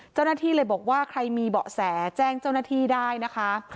เจ้าหน้าที่เลยบอกว่าใครมีเบาะแสแจ้งเจ้าหน้าที่ได้นะคะ